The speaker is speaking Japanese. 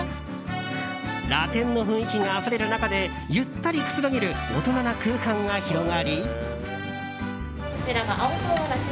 ラテンの雰囲気があふれる中でゆったりくつろげる大人な空間が広がり。